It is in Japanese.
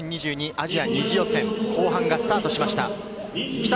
アジア２次予選、後半がスタートしました。